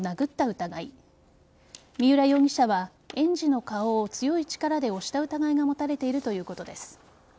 疑い三浦容疑者は園児の顔を強い力で押した疑いが持たれているということです。